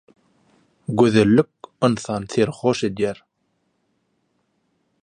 Gözellik ynsany serhoş edýär.